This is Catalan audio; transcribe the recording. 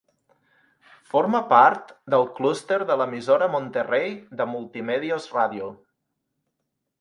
Forma part del clúster de l'emissora Monterrey de Multimedios Radio.